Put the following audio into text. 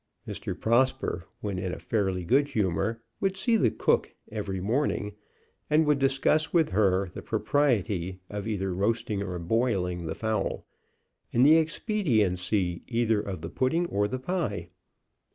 Mr. Prosper, when in a fairly good humor, would see the cook every morning, and would discuss with her the propriety of either roasting or boiling the fowl, and the expediency either of the pudding or the pie.